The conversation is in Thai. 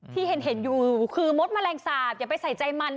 ที่เห็นอยู่คือมดแมลงสาปอย่าไปใส่ใจมัน